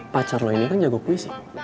pacar lo ini kan jago puisi